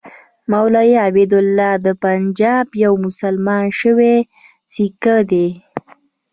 مولوي عبیدالله د پنجاب یو مسلمان شوی سیکه دی.